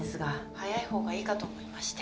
早い方がいいかと思いまして。